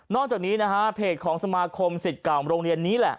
นอกจากนี้เพจของสมาคมสิทธิ์กรรมโรงเรียนนี้